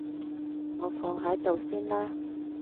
我放喺度先啦